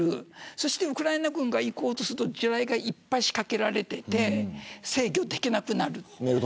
そしてウクライナ軍が行こうとすると地雷がたくさん仕掛けられていて制御ができなくなる。